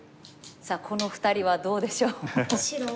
さあこの２人はどうでしょう。